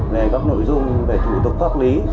về các nội dung về thủ tục pháp lý